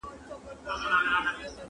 • صبر تریخ دی خو میوه یې خوږه ده -